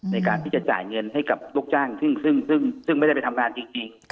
ในการที่จะจ่ายเงินให้กับลูกจ้างซึ่งไม่ได้ไปทำงานจริง